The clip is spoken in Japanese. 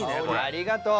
ありがとう！